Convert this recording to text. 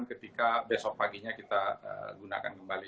ketika besok paginya kita gunakan kembali